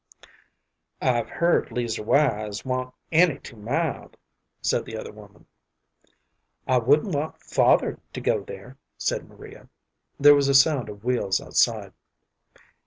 "I've heard 'Leazer Wise wa'n't any too mild," said the other woman. "I wouldn't want father to go there," said Maria. There was a sound of wheels outside.